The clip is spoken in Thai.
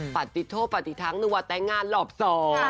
ปฏิโทษปฏิทังนึกว่าแต่งงานหลอบสอง